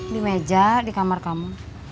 di meja di kamar kamu